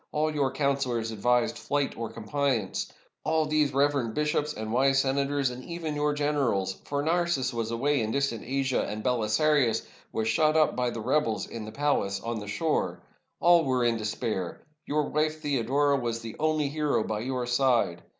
All your counselors advised flight or compliance; all these reverend bishops and wise senators, and even your generals; for Narses was away in distant Asia, and BeHsarius v/as shut up by the rebels in the palace on the shore. All were in despair. Your wife Theodora was the only hero by your side.